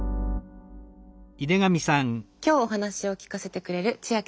今日お話を聞かせてくれるチアキさんです。